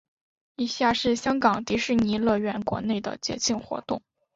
以下是香港迪士尼乐园内的节庆活动。